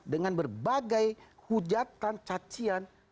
dengan berbagai hujatan cacian